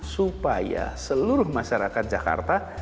supaya seluruh masyarakat jakarta